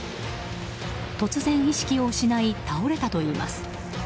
突然、意識を失い倒れたといいます。